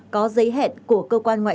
có giấy hẹn của công dân